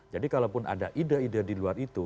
jadi kalaupun ada ide ide diluar itu